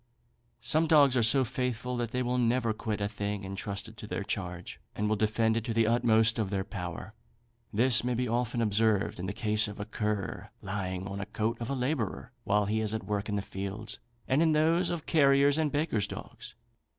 Some dogs are so faithful that they will never quit a thing entrusted to their charge, and will defend it to the utmost of their power. This may be often observed in the case of a cur, lying on the coat of a labourer while he is at work in the fields, and in those of carriers' and bakers' dogs.